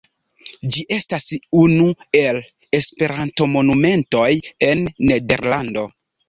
Ĝi estas unu el la Esperantomonumentoj en Nederlando.